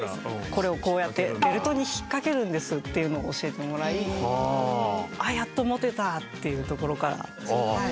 これをこうやってベルトに引っ掛けるんですっていうのを教えてもらいああやっと持てたっていうところから。